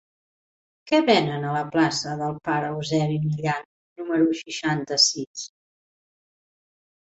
Què venen a la plaça del Pare Eusebi Millan número seixanta-sis?